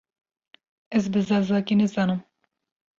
Ez bi zazakî nizanim.